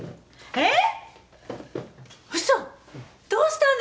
えっ！？